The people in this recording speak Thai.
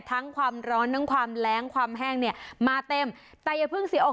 ความร้อนทั้งความแรงความแห้งเนี่ยมาเต็มแต่อย่าเพิ่งเสียอก